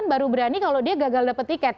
baru berani kalau dia gagal dapat tiket